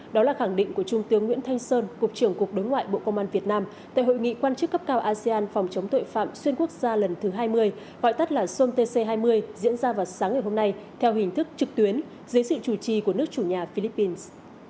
đó là khẳng định của trung tướng nguyễn thanh sơn cục trưởng cục đối ngoại bộ công an việt nam tại hội nghị quan chức cấp cao asean phòng chống tội phạm xuyên quốc gia lần thứ hai mươi gọi tắt là somtc hai mươi diễn ra vào sáng ngày hôm nay theo hình thức trực tuyến dưới sự chủ trì của nước chủ nhà philippines